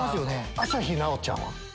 朝日奈央ちゃんは？